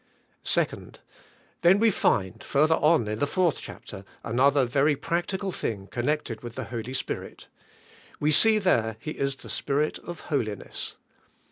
2. Then we find, further on in the fourth chap ter, another very practical thing connected with the Holy Spirit. We see there He is the Spirit of Jwli ness.